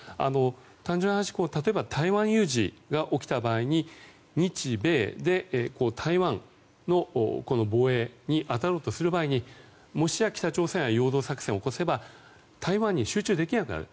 単純な話、台湾有事が起きた際に日米で台湾の防衛に当たるとする場合にもし北朝鮮が陽動作戦を起こせば台湾に集中できなくなる。